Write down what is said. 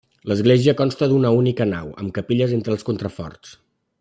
L'església consta d'una única nau, amb capelles entre els contraforts.